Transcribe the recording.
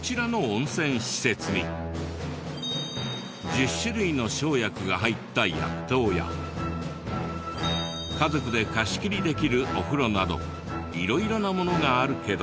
１０種類の生薬が入った薬湯や家族で貸切できるお風呂など色々なものがあるけど。